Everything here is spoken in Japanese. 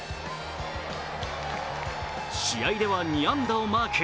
試合では２安打をマーク。